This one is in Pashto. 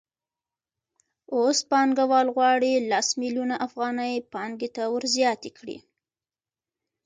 اوس پانګوال غواړي لس میلیونه افغانۍ پانګې ته ورزیاتې کړي